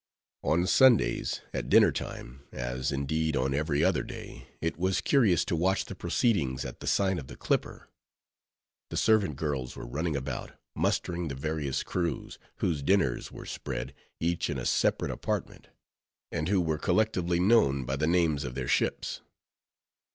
On Sundays, at dinner time, as, indeed, on every other day, it was curious to watch the proceedings at the sign of the Clipper. The servant girls were running about, mustering the various crews, whose dinners were spread, each in a separate apartment; and who were collectively known by the names of their ships.